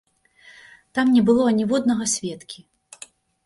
Там не было аніводнага сведкі.